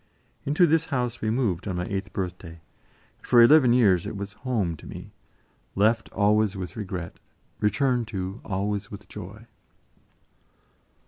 Into this house we moved on my eighth birthday, and for eleven years it was "home" to me, left always with regret, returned to always with joy.